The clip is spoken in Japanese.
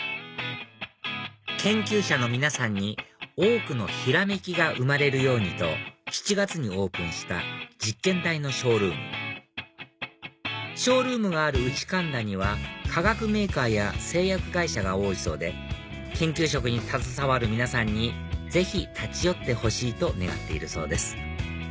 研究者の皆さんに多くのひらめきが生まれるようにと７月にオープンした実験台のショールームショールームがある内神田には化学メーカーや製薬会社が多いそうで研究職に携わる皆さんにぜひ立ち寄ってほしいと願っているそうです